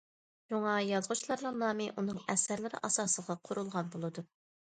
شۇڭا يازغۇچىلارنىڭ نامى ئۇنىڭ ئەسەرلىرى ئاساسىغا قۇرۇلغان بولىدۇ.